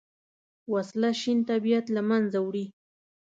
وسله شین طبیعت له منځه وړي